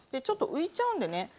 ちょっと浮いちゃうんでね